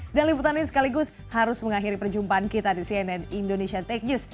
dan liputannya sekaligus harus mengakhiri perjumpaan kita di cnn indonesia tech news